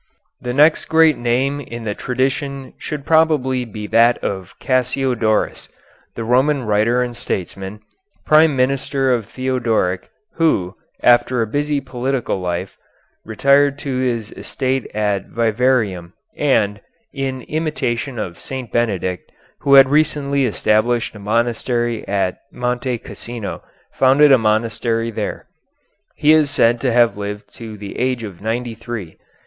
The next great name in the tradition should probably be that of Cassiodorus, the Roman writer and statesman, prime minister of Theodoric, who, after a busy political life, retired to his estate at Vivarium, and, in imitation of St. Benedict, who had recently established a monastery at Monte Cassino, founded a monastery there. He is said to have lived to the age of ninety three.